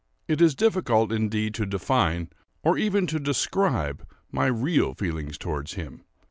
It is difficult, indeed, to define, or even to describe, my real feelings towards him.